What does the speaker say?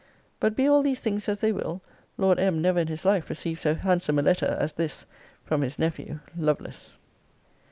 But be all these things as they will, Lord M. never in his life received so handsome a letter as this from his nephew LOVELACE.